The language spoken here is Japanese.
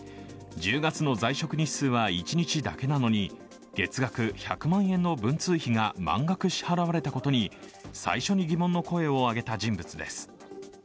１０月の在職日数は１日だけなのに月額１００万円の文通費が満額支払われたことに最初に疑問の声を上げた人物です。